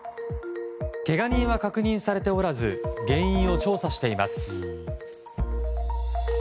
けが人は確認されておらず原因を調査しています。